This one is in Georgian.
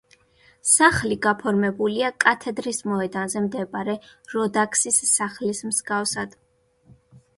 სახლი გაფორმებულია კათედრის მოედანზე მდებარე როდაქსის სახლის მსგავსად.